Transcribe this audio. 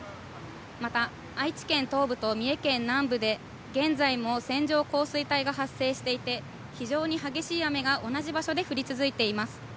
また、愛知県東部と三重県南部で、現在も線状降水帯が発生していて、非常に激しい雨が同じ場所で降り続いています。